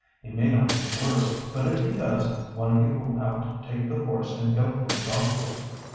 "He may not get worse, but if he does, one of you will have to take the horse and go for the doctor."